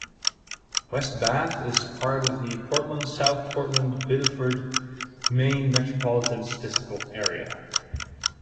West Bath is part of the Portland-South Portland-Biddeford, Maine metropolitan statistical area.